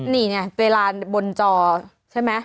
นี่เนี่ยเตรียมร้านบนจอใช่ไหม